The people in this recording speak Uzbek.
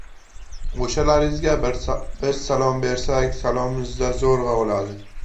— O‘shalarga biz salom bersak, salomimizni zo‘rg‘a oladi.